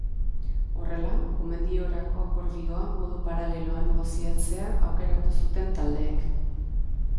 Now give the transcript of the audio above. Horrela, gomendiorako akordioa modu paraleloan negoziatzea aukeratu zuten taldeek.